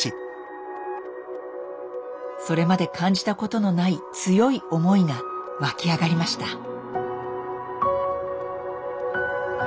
それまで感じたことのない強い思いがわき上がりました。